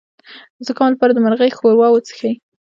د زکام لپاره د مرغۍ ښوروا وڅښئ